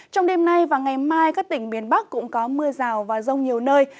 trong đêm nay và ngày mai các tỉnh miền bắc cũng có mưa rào và rông nhiều nơi